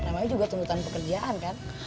namanya juga tuntutan pekerjaan kan